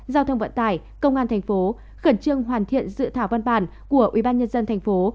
giao thông vận tải công an thành phố khẩn trương hoàn thiện dự thảo văn bản của ubnd tp